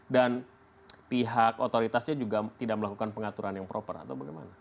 dan pihak otoritasnya juga tidak melakukan pengaturan yang proper atau bagaimana